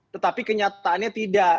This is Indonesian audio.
tetapi kenyataannya tidak